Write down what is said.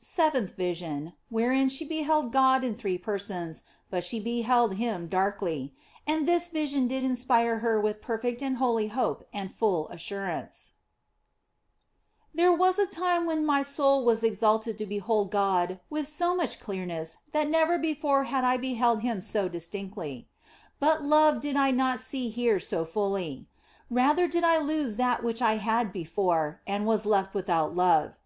SEVENTH VISION, WHEREIN SHE BEHELD GOD IN THREE PERSONS, BUT SHE BEHELD HIM DARKLY ; AND THIS VISION DID INSPIRE HER WITH PERFECT AND HOLY HOPE AND FULL ASSURANCE THERE was a time when my soul was exalted to behold God with so much clearness that never before had I 182 THE BLESSED ANGELA beheld Him so distinctly. But love did I not see here so fully ; rather did I lose that which I had before and was left without love.